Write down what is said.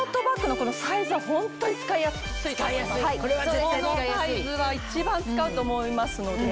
このサイズは一番使うと思いますので。